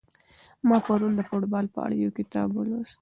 ما پرون د فوټبال په اړه یو کتاب ولوست.